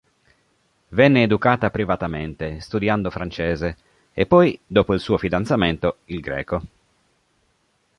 Venne educata privatamente, studiando francese, e poi, dopo il suo fidanzamento, il greco.